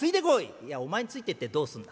「いやお前についてってどうすんだ。